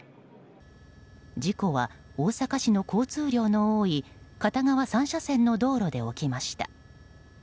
事故は、大阪市の交通量の多い片側３車線の道路で起きました。